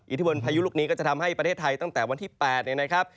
ทบนพายุลูกนี้ก็จะทำให้ประเทศไทยตั้งแต่วันที่๘เนี่ยนะครับ